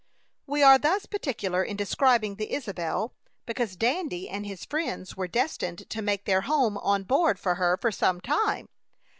We are thus particular in describing the Isabel, because Dandy and his friends were destined to make their home on board of her for some time.